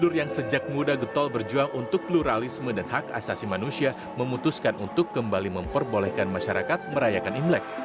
gubernur yang sejak muda getol berjuang untuk pluralisme dan hak asasi manusia memutuskan untuk kembali memperbolehkan masyarakat merayakan imlek